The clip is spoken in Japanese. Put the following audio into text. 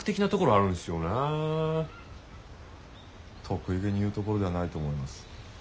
得意げに言うところではないと思います。